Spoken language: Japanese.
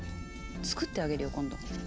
作ってあげるよ今度。